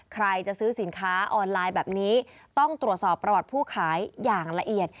ใครจะซื้อสินค้าออนไลน์แบบนี้ต้องตรวจสอบประวัติผู้ขายอย่างละเอียด